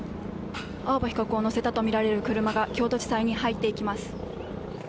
青葉被告を乗せたとみられる車が京都地裁に入っていきます